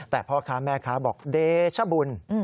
แต่พ่อขาแม่ขาบอกเดชบุณ